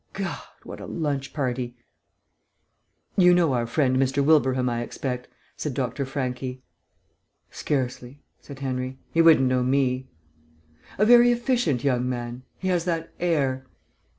God, what a lunch party! "You know our friend Mr. Wilbraham, I expect," said Dr. Franchi. "Scarcely," said Henry. "He wouldn't know me." "A very efficient young man. He has that air."